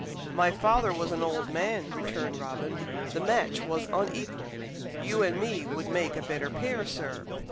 "My father was an old man," returned Robin. "The match was unequal. You and me would make a better pair, sir."